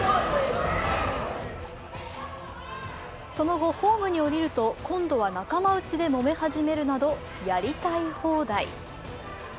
その後、ホームに降りると今度は仲間内でもめ始めるなどやりたい放題。